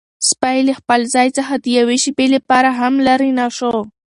سپی له خپل ځای څخه د یوې شېبې لپاره هم لیرې نه شو.